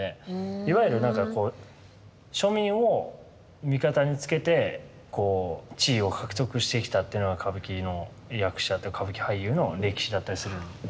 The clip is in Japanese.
いわゆるなんかこう庶民を味方につけてこう地位を獲得してきたっていうのが歌舞伎の役者歌舞伎俳優の歴史だったりするんで。